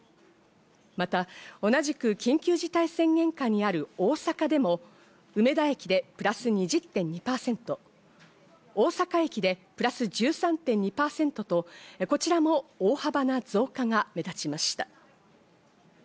また同じく緊急事態宣言下にある大阪でも梅田駅でプラス２０．２％、大阪駅でプラス１３．２％とこちらも大幅な増加が目立ちました。